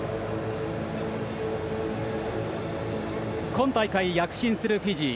今大会、躍進するフィジー。